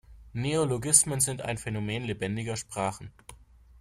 Neologismen sind ein Phänomen lebendiger Sprachen.